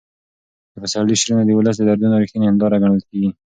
د پسرلي شعرونه د ولس د دردونو رښتینې هنداره ګڼل کېږي.